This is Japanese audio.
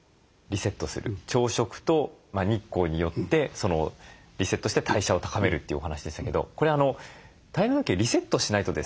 朝食と日光によってリセットして代謝を高めるというお話でしたけどこれ体内時計をリセットしないとですね